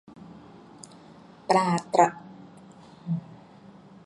ปลาตะกรับ เรียกเป็นภาษาใต้ว่าปลาขี้ตัง โดนจับกินจนเกือบสูญพันธุ์